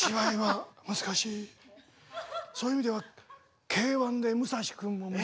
そういう意味ではＫ‐１で武蔵君も難しかったね。